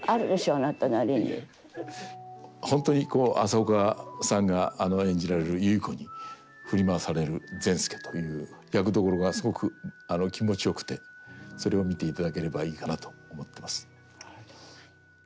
本当にこう浅丘さんが演じられる結子に振り回される善輔という役どころがすごく気持ちよくてそれを見ていただければいいかなと思ってます。